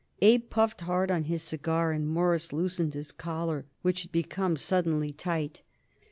Abe puffed hard on his cigar, and Morris loosened his collar, which had become suddenly tight.